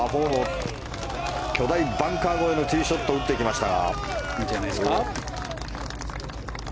巨大バンカー越えのティーショットを打っていきましたが。